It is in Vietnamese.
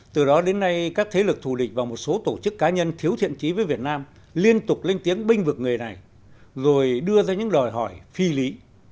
từ đó đến nay các thế lực thù địch và một số tổ chức cá nhân thiếu thiện trí với việt nam liên tục lên tiếng binh vực người này rồi đưa ra những đòi hỏi phi lý